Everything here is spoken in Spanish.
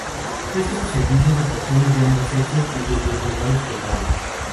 Ofrece sus servicios a personas de ambos sexos y desde edades tempranas.